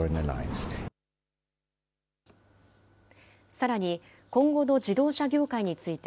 さらに、今後の自動車業界について、